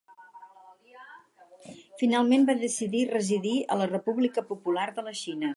Finalment va decidir residir a la República Popular de la Xina.